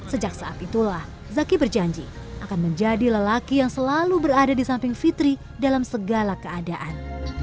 sejak saat itulah zaki berjanji akan menjadi lelaki yang selalu berada di samping fitri dalam segala keadaan